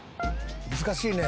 難しいね。